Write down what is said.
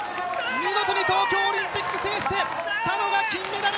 見事に東京オリンピックを制してスタノが金メダル！